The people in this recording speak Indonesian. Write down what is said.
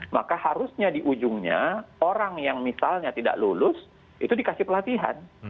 maka harusnya di ujungnya orang yang misalnya tidak lulus itu dikasih pelatihan